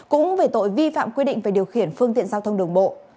cũng về tội vi phạm quy định về điều khiển phương tiện giao thông đường bộ